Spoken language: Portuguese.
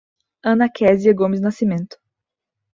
Ana Quesia Gomes Nascimento